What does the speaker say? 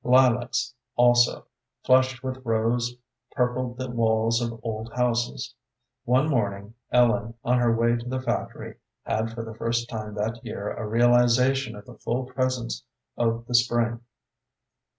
Lilacs also, flushed with rose, purpled the walls of old houses. One morning Ellen, on her way to the factory, had for the first time that year a realization of the full presence of the spring.